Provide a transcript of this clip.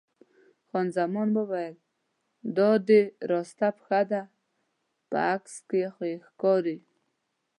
خان زمان وویل: دا دې راسته پښه ده، په عکس کې یې ښکاري.